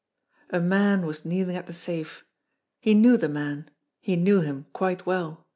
A man was kneeling at the safe. He knew the man ; he knew him quite well.